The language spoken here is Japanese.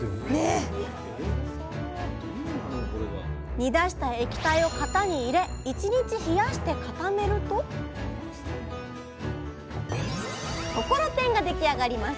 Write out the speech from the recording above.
煮出した液体を型に入れ１日冷やして固めるとところてんが出来上がります。